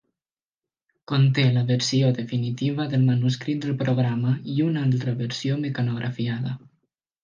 Conté la versió definitiva del manuscrit del programa i una altra versió mecanografiada.